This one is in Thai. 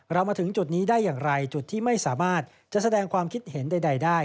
มาถึงจุดนี้ได้อย่างไรจุดที่ไม่สามารถจะแสดงความคิดเห็นใดได้